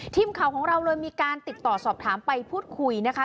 ทีมข่าวของเราเลยมีการติดต่อสอบถามไปพูดคุยนะคะ